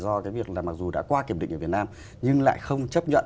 do việc mặc dù đã qua kiểm định ở việt nam nhưng lại không chấp nhận